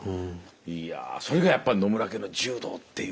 いやそれがやっぱり野村家の柔道っていう。